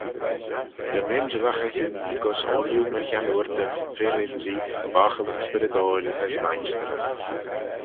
Dy m'injillaghey hene gys ooilley my chiannoortyn, fir-ynsee, bochillyn spyrrydoil, as mainshtyryn.